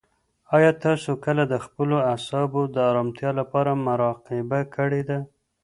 آیا تاسو کله د خپلو اعصابو د ارامتیا لپاره مراقبه کړې ده؟